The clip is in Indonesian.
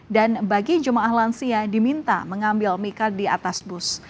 dan bagi jemaah lansia diminta mengambil mikat di atas bus